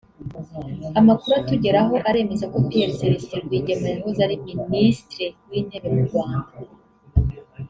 Amakuru atugeraho aremeza ko Pierre Céléstin Rwigema wahoze ari Ministre w’intere mu Rwanda